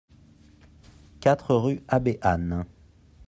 quatre rue Abbé Anne